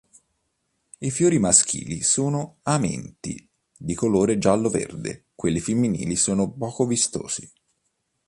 I fiori maschili sono amenti di colore giallo-verde, quelli femminili sono poco vistosi.